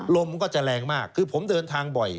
มันก็จะแรงมากคือผมเดินทางบ่อย